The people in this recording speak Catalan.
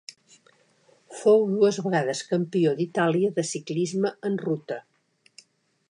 Fou dues vegades campió d'Itàlia de ciclisme en ruta.